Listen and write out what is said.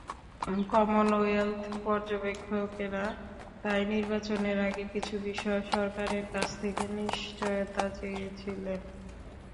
Commonwealth পর্যবেক্ষকেরা তাই নির্বাচনের আগে কিছু বিষয়ে সরকারের কাছ থেকে নিশ্চয়তা চেয়েছিলেন।